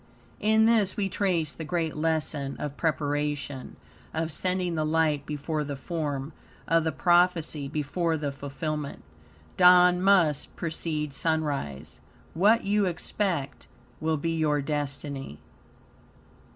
In this we trace the great lesson of preparation, of sending the light before the form, of the prophecy before the fulfillment. Dawn must precede sunrise. What you expect will be your destiny.